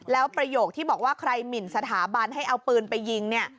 แล้วประโยคที่บอกว่าใครหมินสถาบันให้เอาปืนไปยิงเนี่ย